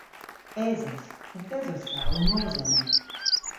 Esos. Yth esos ta ow mos ena.